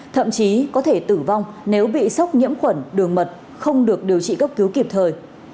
thậm chí có thể tử vong nếu bị sốc nhiễm khuẩn đường mật không được điều trị cấp cứu kịp thời